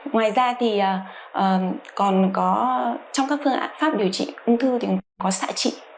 ngoài ra thì còn có trong các phương án pháp điều trị ung thư thì cũng có xạ trị